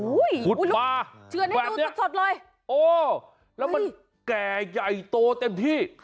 อุ้ยชุดปลาแกะเนี่ยโอ้ยแล้วมันแก่ใหญ่โตเต็มที่